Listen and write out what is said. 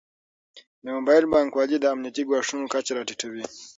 د موبایل بانکوالي د امنیتي ګواښونو کچه راټیټوي.